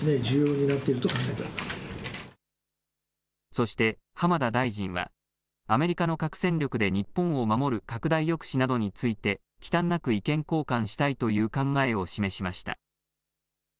そして、浜田大臣は、アメリカの核戦力で日本を守る拡大抑止などについて、きたんなく意見交換したいという考えを示しました。